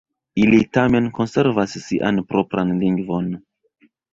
Ili tamen konservas sian propran lingvon.